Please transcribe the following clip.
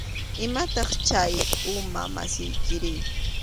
¿Maytaq chay amu masiykiri?